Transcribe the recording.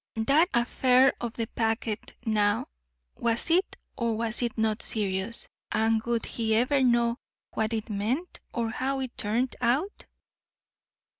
That affair of the packet, now, was it or was it not serious, and would he ever know what it meant or how it turned out?